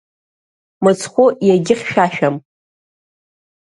Мыцхәы иагьыхьшәашәам.